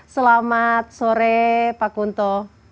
selamat sore pak kunto